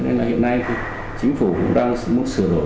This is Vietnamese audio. nên là hiện nay thì chính phủ cũng đang mức sửa đổi